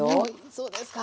そうですか。